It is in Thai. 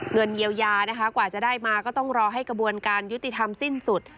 เงินเยียวยานะคะกว่าจะได้มาก็ต้องรอให้กระบวนการยุติธรรมสิ้นสุด